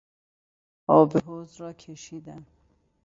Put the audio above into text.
آب حوض را کشیدم.